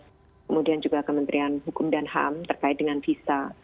kemudian juga kementerian hukum dan ham terkait dengan visa